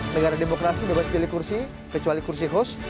negara demokrasi bebas pilih kursi kecuali kursi host